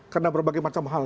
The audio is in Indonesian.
karena berbagai macam hal